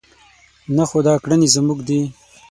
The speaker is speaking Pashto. نه خو دا کړنې زموږ دي.